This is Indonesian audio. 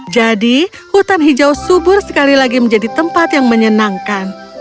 jadi hutan hijau subur sekali lagi menjadi tempat yang menyenangkan